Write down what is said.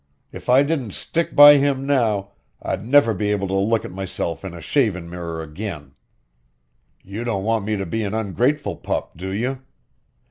If I didn't stick by him now, I'd never be able to look at myself in a shavin' mirror again. You don't want me to be an ungrateful pup, do you?